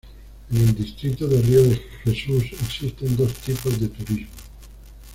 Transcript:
En el Distrito de Río de Jesús existen dos tipos de turismo.